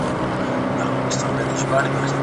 زه به اوږده موده د کتابتون کتابونه ولولم!!